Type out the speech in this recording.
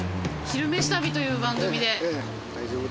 「昼めし旅」という番組で。